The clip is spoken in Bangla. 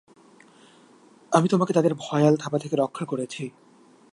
আমি তোমাকে তাদের ভয়াল থাবা থেকে রক্ষা করেছি।